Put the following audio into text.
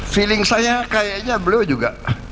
feeling saya kayaknya beliau juga